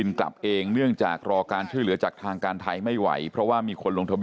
แต่อยู่นั่นก็ทุกวินาทีเสี่ยงหมดครับ